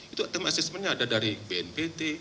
itu tim asesmennya ada dari bnpt